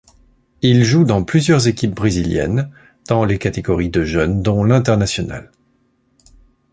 Il joue dans plusieurs équipes brésiliennes dans les catégories de jeunes, dont l'Internacional.